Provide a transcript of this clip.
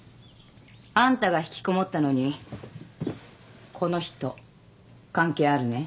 あんたが引きこもったのにこの人関係あるね？